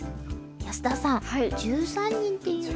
安田さん１３人っていうのは？